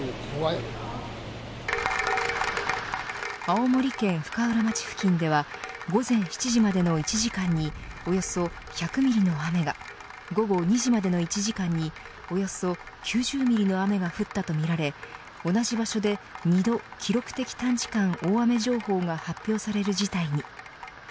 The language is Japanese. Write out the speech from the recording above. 青森県深浦町付近では午前７時までの１時間におよそ１００ミリの雨が午後２時までの１時間におよそ９０ミリの雨が降ったとみられ同じ場所で２度記録的短時間大雨情報が発表される事態に。